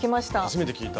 初めて聞いた。